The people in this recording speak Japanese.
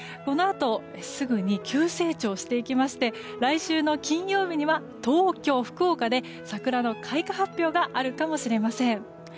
このあとすぐに急成長していきまして来週の金曜日には東京、福岡で桜の開花発表があるかもしれません。